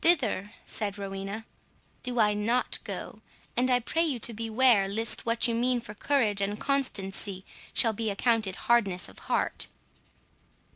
"Thither," said Rowena, "do I NOT go; and I pray you to beware, lest what you mean for courage and constancy, shall be accounted hardness of heart."